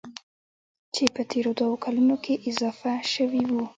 چې په تېرو دوو کلونو کې اضافه شوي وو.